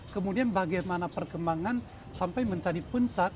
kemudian bagaimana perkembangan sampai menjadi puncak